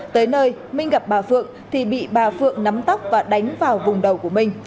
tới nơi minh gặp bà phượng thì bị bà phượng nắm tóc và đánh vào vùng đầu của minh